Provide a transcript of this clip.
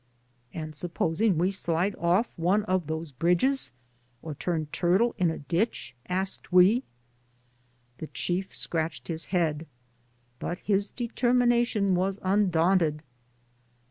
^^And supi>osing we slide off one of tiiose bridges, or turn turtle in a ditch!" asked we. The chief scratched his head, but his determina tion was undaunted.